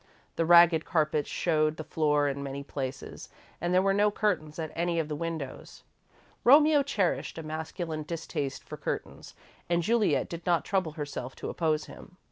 The ragged carpets showed the floor in many places, and there were no curtains at any of the windows. Romeo cherished a masculine distaste for curtains and Juliet did not trouble herself to oppose him.